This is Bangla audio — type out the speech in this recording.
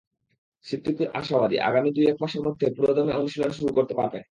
সিদ্দিকুর আশাবাদী, আগামী দু-এক মাসের মধ্যে পুরোদমে অনুশীলন শুরু করতে পারবেন।